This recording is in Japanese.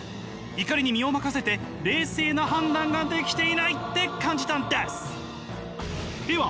怒りに身を任せて冷静な判断ができていないって感じたんです！